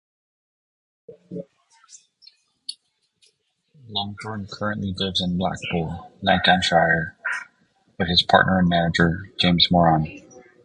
Longthorne currently lives in Blackpool, Lancashire with his partner and manager, James Moran.